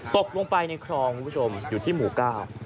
ตกลงไปในคลองคุณผู้ชมอยู่ที่หมู่เก้า